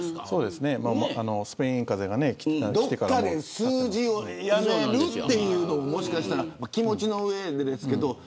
そうですね、スペインかぜがどこかで数字をやめるというのも、もしかしたら気持ちの上でですけど。